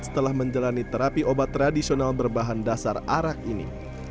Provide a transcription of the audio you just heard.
setelah menjalani terapi obat tradisional berbahan dasar arak ini